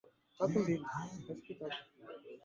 Nimechocka kuandika